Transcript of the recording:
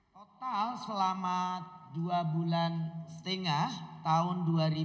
total selama dua bulan setengah tahun dua ribu dua puluh